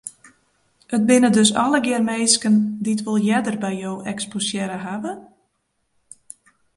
It binne dus allegear minsken dy't wol earder by jo eksposearre hawwe?